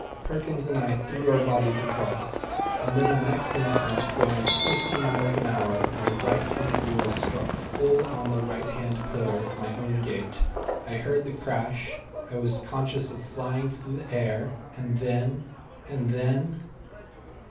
Perkins and I threw our bodies across, and then the next instant, going at fifty miles an hour, my right front wheel struck full on the right hand pillar of my own gate. I heard the crash. I was conscious of flying through the air, and then and then